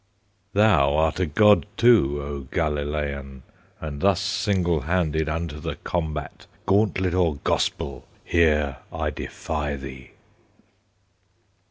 Thou art a God too, O Galilean! And thus single handed Unto the combat, Gauntlet or Gospel, Here I defy thee!